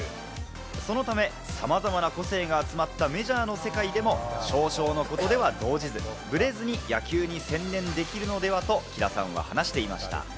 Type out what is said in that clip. そのため、様々な個性が詰まったメジャーの世界でも、少々のことでは動じず、ブレずに野球に専念できるのではと喜田さんは話していました。